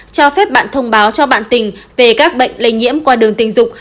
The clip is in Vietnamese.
cho phép bạn thông báo cho bạn tình về các bệnh lây nhiễm qua đường tình dục